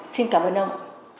xin cảm ơn ông